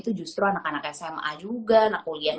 itu justru anak anak sma juga anak kuliah